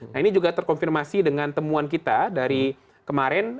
nah ini juga terkonfirmasi dengan temuan kita dari kemarin